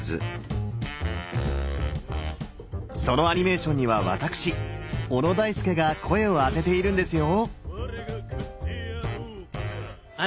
そのアニメーションには私小野大輔が声をあてているんですよ！